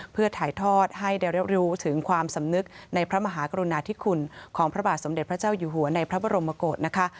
เพื่อถ่ายทอดให้ได้รับรู้ถึงความสำนึกในพระมหากรุณาธิคุณของพระบาทสมเด็จพระเจ้าอยู่หัวในพระบรมโกศนะคะ